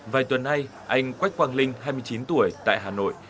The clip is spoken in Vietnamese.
vài tuần nay anh quách quang linh hai mươi chín tuổi tại hà nội